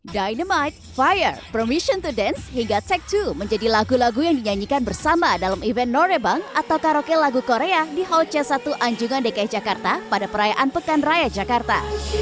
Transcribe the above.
dynamite fire promission to dance hingga take dua menjadi lagu lagu yang dinyanyikan bersama dalam event norebang atau karaoke lagu korea di hall c satu anjungan dki jakarta pada perayaan pekan raya jakarta